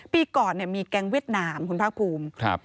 ปีก่อนมีแก๊งเวียดนามคุณภาคภูมิ